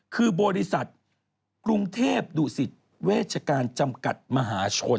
คือบริษัทกรุงเทพดุสิตเวชการจำกัดมหาชน